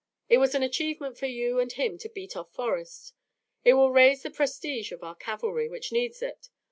It was an achievement for you and him to beat off Forrest. It will raise the prestige of our cavalry, which needs it.